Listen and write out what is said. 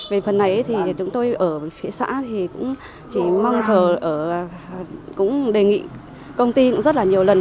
về phần này chúng tôi ở phía xã chỉ mong chờ đề nghị công ty rất nhiều lần